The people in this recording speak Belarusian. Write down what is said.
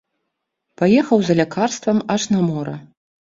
Паехаў за лякарствам аж на мора.